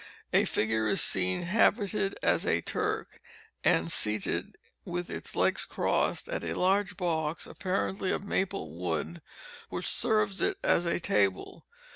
A figure is seen habited as a Turk, and seated, with its legs crossed, at a large box apparently of maple wood, which serves it as a table.